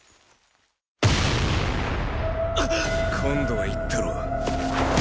今度はいったろ。